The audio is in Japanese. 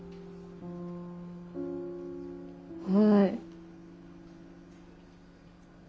はい。